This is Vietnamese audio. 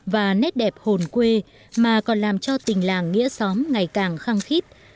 và nét đẹp hồn quê mà còn làm cho tình làng nghĩa xóm ngày càng khăng khít